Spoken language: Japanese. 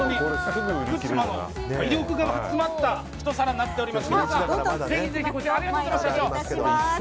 福島の魅力が集まったひと皿になっております。